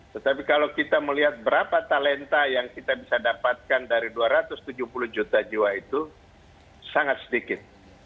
tetapi kalau kita melihat berapa talenta yang kita bisa dapatkan dari dua ratus tujuh puluh juta jiwa itu sangat sedikit